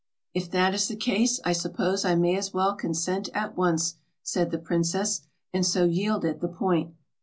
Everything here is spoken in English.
"If that is the case, I suppose I may as well consent at once," said the princess, and so yielded the point.